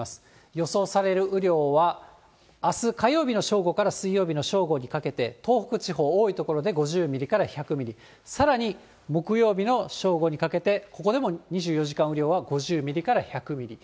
予想される雨量はあす火曜日に正午から水曜日の正午にかけて、東北地方多い所で、５０ミリから１００ミリ、さらに木曜日の正午にかけて、ここでも２４時間雨量は５０ミリから１００ミリ。